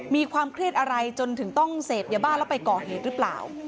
มีความเครียดอะไรจนถึงต้องเสพยาบ้าแล้วไปก่อเหตุหรือเปล่า